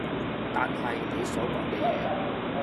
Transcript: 但係你所講嘅嘢